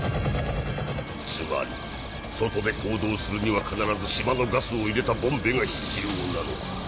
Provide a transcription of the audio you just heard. つまり外で行動するには必ず島のガスを入れたボンベが必要なのだ。